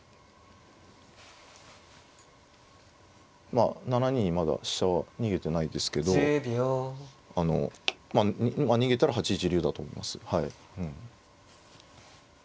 まあ７二にまだ飛車は逃げてないですけど逃げたら８一竜だと思います。